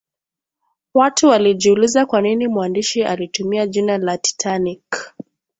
watu walijiuliza kwa nini mwandishi alitumia jina la titanic